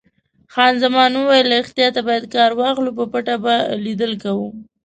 خان زمان وویل: له احتیاطه باید کار واخلو، په پټه به لیدل کوو.